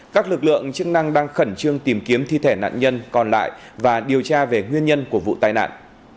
các lực lượng chức năng đang khẩn trương tìm kiếm thi thể nạn nhân còn lại và điều tra về nguyên nhân của vụ tai nạn